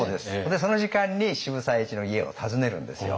でその時間に渋沢栄一の家を訪ねるんですよ。